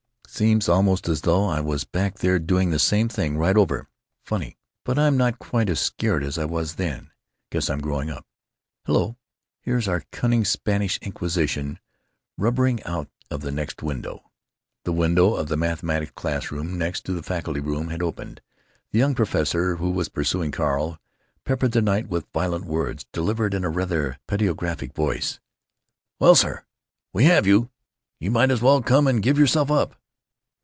"Seems almost as though I was back there doing the same thing right over. Funny. But I'm not quite as scared as I was then. Guess I'm growing up. Hel lo! here's our cunning Spanish Inquisition rubbering out of the next window." The window of the mathematics class room, next to the faculty room, had opened. The young professor who was pursuing Carl peppered the night with violent words delivered in a rather pedagogic voice. "Well, sir! We have you! You might as well come and give yourself up."